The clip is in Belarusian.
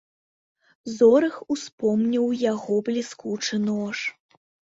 Зорах успомніў яго бліскучы нож.